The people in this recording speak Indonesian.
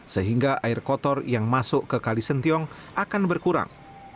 sehingga air kotor yang masuk ke kalisentiong akan berkurang